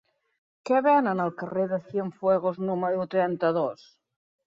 Què venen al carrer de Cienfuegos número trenta-dos?